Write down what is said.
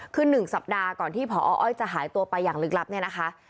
คือ๑สัปดาห์ก่อนที่พออ้อยจะหายตัวไปอย่างลึกลับเนี่ยนะคะ